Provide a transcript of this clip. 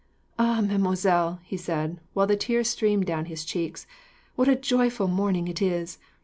"Ah, mademoiselle," he said, while the tears streamed down his cheeks, "what a joyful morning it is!